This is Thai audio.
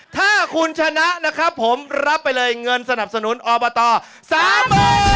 ถ้าคุณชนะนะครับผมรับไปเลยเงินสนับสนุนอบต๓๐๐๐บาท